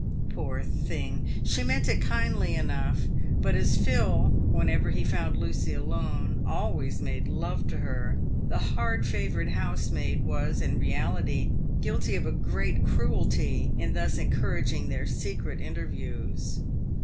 Poor thing ! she meant it kindly enough, but as Phil, whenever he found Lucy alone, always made love to her, the hard favoured housemaid was, in reality, guilty of a great cruelty in thus encouraging their secret interviews.